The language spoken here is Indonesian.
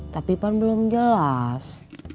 tapi pan belum jelas